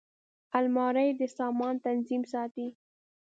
الماري د سامان تنظیم ساتي